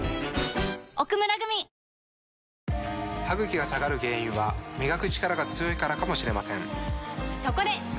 歯ぐきが下がる原因は磨くチカラが強いからかもしれませんそこで！